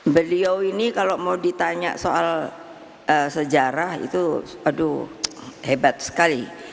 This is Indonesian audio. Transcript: beliau ini kalau mau ditanya soal sejarah itu aduh hebat sekali